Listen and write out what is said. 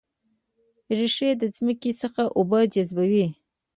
ریښې د ځمکې څخه اوبه جذبوي